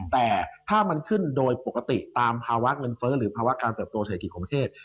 แต่ถ้ามันขึ้นโดยปกติตามภาวะเงินเฟ้อหรือภาวะการเติบโตเศรษฐกิจของประเทศ